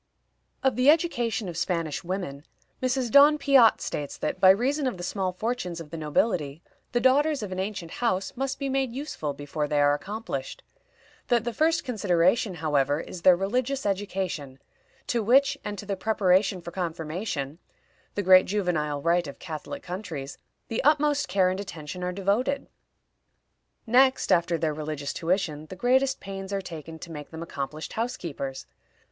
Of the education of Spanish women, Mrs. Donn Piatt states that, by reason of the small fortunes of the nobility, the daughters of an ancient house must be made useful before they are accomplished; that the first consideration, however, is their religious education, to which, and to the preparation for confirmation the great juvenile rite of Catholic countries the utmost care and attention are devoted. Next after their religious tuition, the greatest pains are taken to make them accomplished housekeepers.